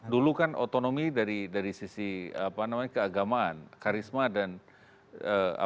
dulu kan otonomi dari sisi apa namanya keagamaan karisma dan apa namanya